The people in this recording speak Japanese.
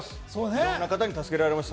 いろんな方に助けられました。